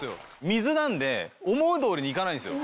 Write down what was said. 水なんで思う通りにいかないんですよ。